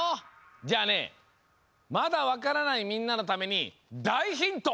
じゃあねまだわからないみんなのためにだいヒント！